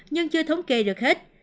nhưng chưa thống kê được hết